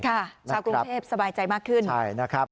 ชาวกรุงเทพสบายใจมากขึ้น